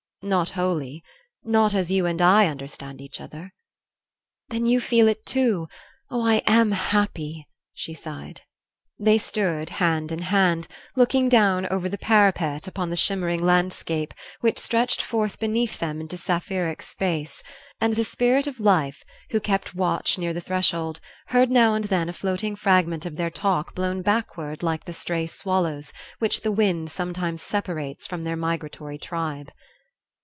"Not wholly not as you and I understand each other." "Then you feel it, too? Oh, I am happy," she sighed. They stood, hand in hand, looking down over the parapet upon the shimmering landscape which stretched forth beneath them into sapphirine space, and the Spirit of Life, who kept watch near the threshold, heard now and then a floating fragment of their talk blown backward like the stray swallows which the wind sometimes separates from their migratory tribe.